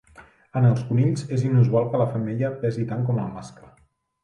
En els conills és inusual que la femella pesi tant com el mascle.